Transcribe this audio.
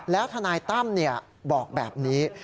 แล้วทนายตั้มบอกแบบนี้